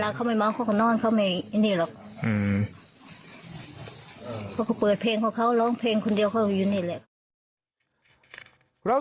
ไปเปิดเพลงเขาเขาร้องเพลงคนนี้เราก็ยังไงแล้วแล้ว